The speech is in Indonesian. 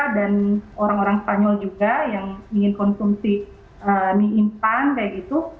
dan orang orang spanyol juga yang ingin konsumsi mie instan kayak gitu